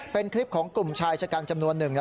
เป็นคลิปของกลุ่มชายชะกันจำนวนหนึ่ง